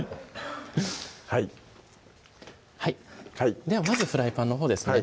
はいはいではまずフライパンのほうですね